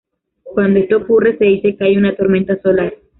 Cuando esto ocurre, se dice que hay una tormenta solar.